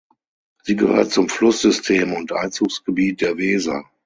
Sie gehört zum Flusssystem und Einzugsgebiet der Weser.